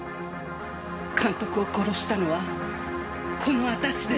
監督を殺したのはこの私です。